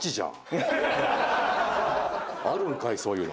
あるんかいそういうの。